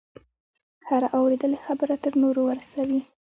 هره اورېدلې خبره تر نورو ورسوي.